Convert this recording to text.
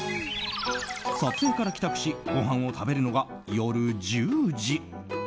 撮影から帰宅しごはんを食べるのが夜１０時。